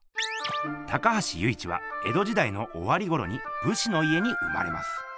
高橋由一は江戸時だいのおわりごろにぶしの家に生まれます。